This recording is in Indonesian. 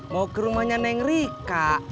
mau ke rumahnya neng rika